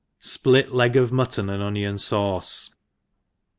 Split Leg g/* Mutton ^xr^ Onion Sauck.